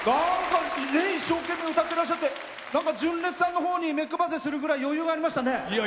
一生懸命、歌ってらっしゃって純烈さんのほうに目くばせをするくらい余裕がありましたね。